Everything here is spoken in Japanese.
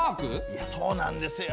いやそうなんですよ。